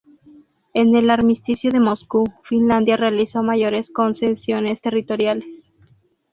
En el Armisticio de Moscú, Finlandia realizó mayores concesiones territoriales.